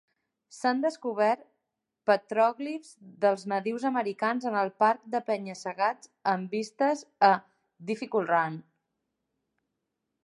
S'han descobert petròglifs dels nadius americans en el parc de penya-segats amb vistes a Difficult Run.